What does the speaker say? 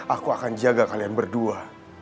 aku akan jaga kalian berdua